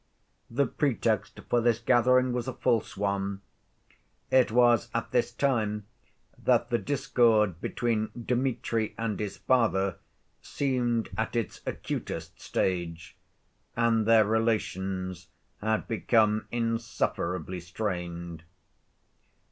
The pretext for this gathering was a false one. It was at this time that the discord between Dmitri and his father seemed at its acutest stage and their relations had become insufferably strained.